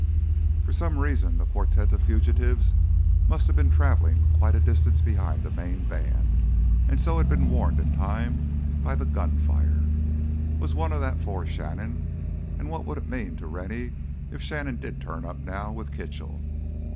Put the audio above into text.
For some reason the quartet of fugitives must have been trailing quite a distance behind the main band, and so had been warned in time by the gunfire. Was one of that four Shannon? And what would it mean to Rennie if Shannon did turn up now with Kitchell?